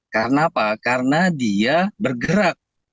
karena apa karena dia bergerak